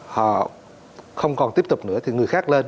họ không còn tiếp tục nữa thì người khác lên